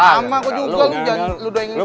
lama kok juga lo udah yang srewek kok